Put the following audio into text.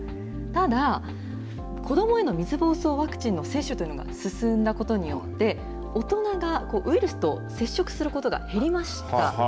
ただ、子どもへの水ぼうそうワクチンの接種というのが進んだことによって、大人がウイルスと接触することが減りました。